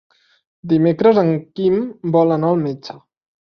Dimecres en Quim vol anar al metge.